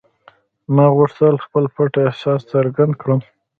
ما غوښتل خپل پټ احساس څرګند کړم